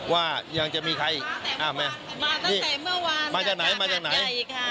ว่ายังจะมีใครมาตั้งแต่เมื่อวานมาจากหาดใหญ่ค่ะ